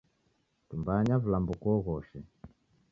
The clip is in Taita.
Tumbanya vilambo kuoghoshe.